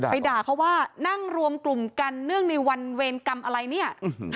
ด่าเขาว่านั่งรวมกลุ่มกันเนื่องในวันเวรกรรมอะไรเนี่ย